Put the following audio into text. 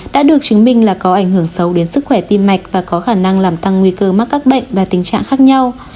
đã được chứng minh là có ảnh hưởng xấu đến sức khỏe tim mạch và có khả năng làm tăng nguy cơ mắc các bệnh và tình trạng khác nhau